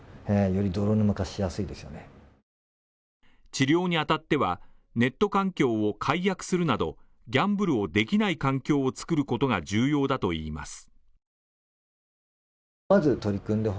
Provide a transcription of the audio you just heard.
治療に当たっては、ネット環境を解約するなど、ギャンブルをできない環境を作ることが重要だといいます。